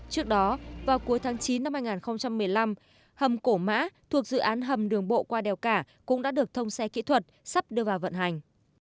trước đó vào cuối tháng chín năm hai nghìn một mươi năm hầm cổ mã thuộc dự án hầm đường bộ qua đèo cả cũng đã được thông xe kỹ thuật sắp đưa vào vận hành